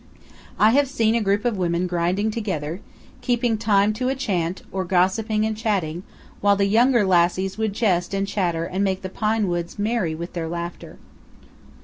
I have seen a group of women grinding together, keeping time to a chant, or gossiping and chatting, while the younger lassies would jest and chatter and make the pine woods merry with their laughter.